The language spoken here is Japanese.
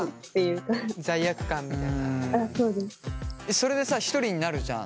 それでさひとりになるじゃん。